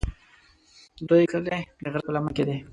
د دوی کلی د غره په لمن کې دی.